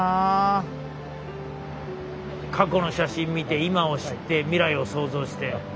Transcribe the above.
過去の写真見て今を知って未来を想像して。